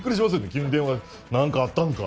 急に電話「なんかあったんか？」